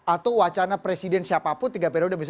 atau wacana presiden siapapun tiga periode